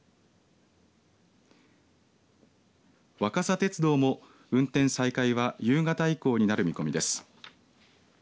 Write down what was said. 若桜鉄道も運転再開は夕方以降になる見込みです。